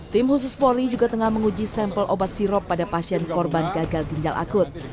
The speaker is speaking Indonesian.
tim khusus polri juga tengah menguji sampel obat sirop pada pasien korban gagal ginjal akut